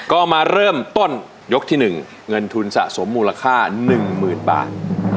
ก็มาเริ่มต้นยกที่หนึ่งเงินทุนสะสมมูลค่าหนึ่งหมื่นบาท